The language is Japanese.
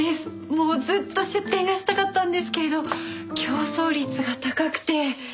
もうずっと出店がしたかったんですけれど競争率が高くて。